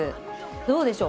どうでしょう？